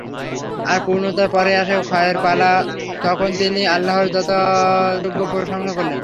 আর পূর্ণতার পরেই আসে ক্ষয়ের পালা তখন তিনি আল্লাহর যথাযোগ্য প্রশংসা করলেন।